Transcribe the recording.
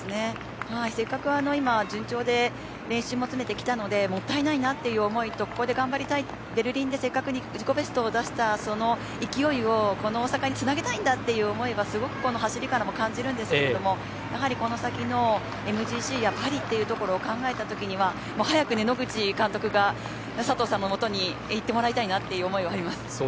せっかく今、順調で練習も積めてきたのでもったいないなっていう思いとここで頑張りたい、ベルリンでせっかく自己ベストを出したその勢いをこの大阪につなげたいんだという思いはすごくこの走りからも感じるんですけれどもやはりこの先のＭＧＣやパリというところを考えた時には早く野口監督が佐藤さんのもとに行ってもらいたいなっていう思いはあります。